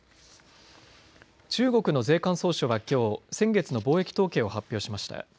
中国の税関総署はきょう先月の貿易統計を発表しました。